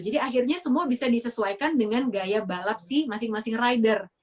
tapi sebenarnya semua bisa disesuaikan dengan gaya balap sih masing masing rider